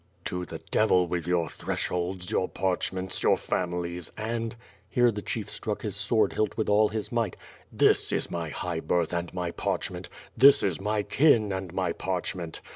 "To the devil with your thresholds, your parchments, your families, and —" here the chief struck his sword hilt with all his might — "this is my high birth and my parchment; this is my kin and my parchment!